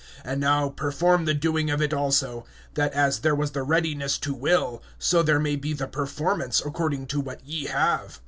(11)And now perform the doing of it also; that as there was the readiness to will, so there may be the performance according to what ye have.